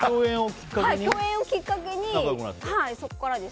共演をきっかけに、そこからです。